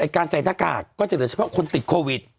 การใส่หน้ากากก็จะเหลือเฉพาะคนติดโควิด